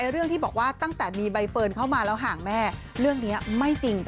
เรื่องที่บอกว่าตั้งแต่มีใบเฟิร์นเข้ามาแล้วห่างแม่เรื่องนี้ไม่จริง